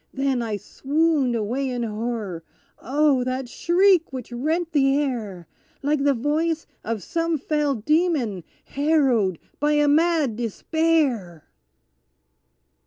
Then I swooned away in horror. Oh! that shriek which rent the air, Like the voice of some fell demon harrowed by a mad despair.